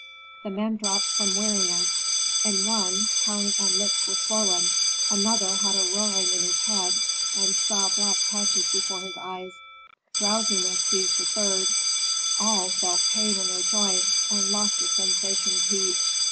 The men dropped from weariness: in one, tongue and lips were swollen; another had a roaring in his head, and saw black patches before his eyes; drowsiness seized a third, all felt pain in their joints, and lost the sensation of heat.